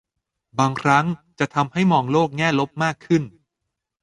บางครั้งจะทำให้มองโลกแง่ลบมากขึ้น